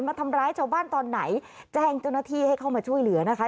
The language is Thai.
มาทำร้ายชาวบ้านตอนไหนแจ้งเจ้าหน้าที่ให้เข้ามาช่วยเหลือนะคะ